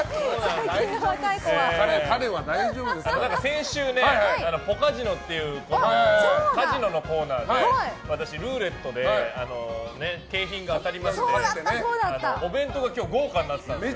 先週ねポカジノというカジノのコーナーで私、ルーレットで景品が当たりましてお弁当が今日、豪華になってたんですよ。